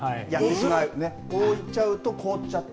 置いちゃうと凍っちゃって。